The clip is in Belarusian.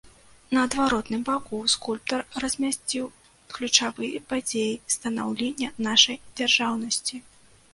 На адваротным баку скульптар размясціў ключавыя падзеі станаўлення нашай дзяржаўнасці.